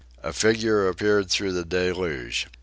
A figure appeared through the deluge.